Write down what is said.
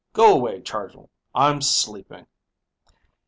"Go away, Chargill; I'm sleeping!"